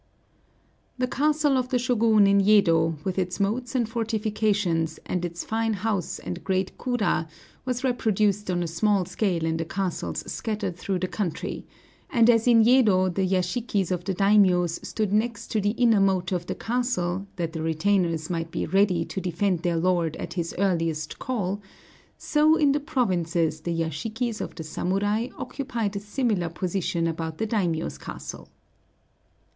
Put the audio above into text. The castle of the Shōgun in Yedo, with its moats and fortifications, and its fine house and great kura, was reproduced on a small scale in the castles scattered through the country; and as in Yedo the yashikis of the daimiōs stood next to the inner moat of the castle, that the retainers might be ready to defend their lord at his earliest call, so in the provinces the yashikis of the samurai occupied a similar position about the daimiō's castle.